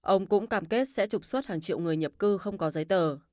ông cũng cam kết sẽ trục xuất hàng triệu người nhập cư không có giấy tờ